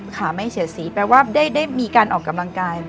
ขาไม่เสียสีแปลว่าได้มีการออกกำลังกาย